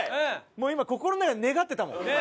もう今心の中で願ってたもん。